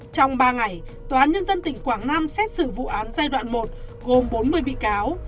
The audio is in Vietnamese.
trong ba ngày tòa án nhân dân tỉnh quảng nam xét xử vụ án giai đoạn một gồm bốn mươi bị cáo